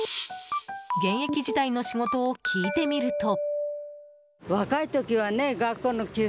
現役時代の仕事を聞いてみると。